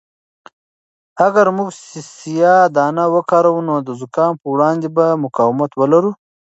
اگر موږ سیاه دانه وکاروو نو د زکام په وړاندې به مقاومت ولرو.